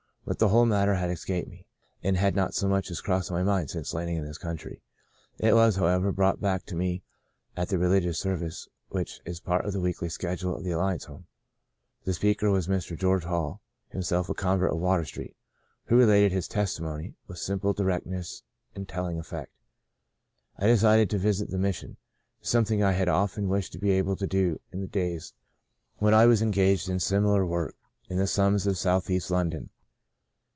But the whole matter had escaped me, and had not so much as crossed my mind since landing in this country. It was, however, brought back to me at the religious service, which is part of the weekly schedule of the Alliance Home. The speaker was Mr. George Hall, himself a convert of Water Street, who related his testimony, with simple directness and telling effect. I de cided to visit the Mission — something I had often wished to be able to do in the days when I was engaged in similar work in the slums of Southeast London.